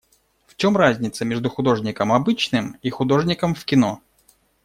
В чем разница между художником обычным и художником в кино?